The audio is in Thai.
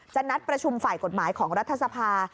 นัดประชุมฝ่ายกฎหมายของรัฐสภา